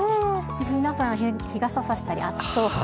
皆さん、日傘差したり、暑そう。